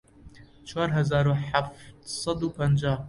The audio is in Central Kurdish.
چوار هەزار و حەفت سەد و پەنجاو